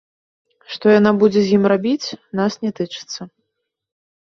Што яна будзе з ім рабіць, нас не тычыцца.